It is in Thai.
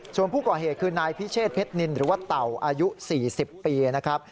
ส่วนผู้ก่อเหตุคือนายพิเชษเพชรนินหรือว่าเต่าอายุ๔๐ปีนะครับ